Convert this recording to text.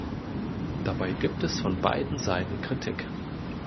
Dabei gibt es von beiden Seiten Kritik.